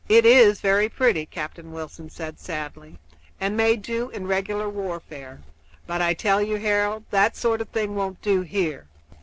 "It is very pretty," Captain Wilson said sadly, "and may do in regular warfare; but I tell you, Harold, that sort of thing won't do here.